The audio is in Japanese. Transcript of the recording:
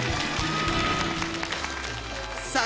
さあ